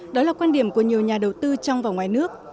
đó là quan điểm của nhiều nhà đầu tư trong và ngoài nước